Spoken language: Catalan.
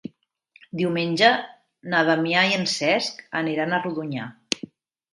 Diumenge na Damià i en Cesc aniran a Rodonyà.